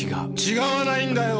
違わないんだよ！